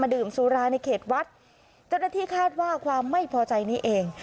ดื่มสุราในเขตวัดเจ้าหน้าที่คาดว่าความไม่พอใจนี้เอง